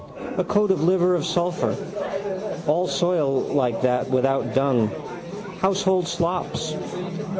A coat of liver of sulphur. All soil like that without dung. Household slops.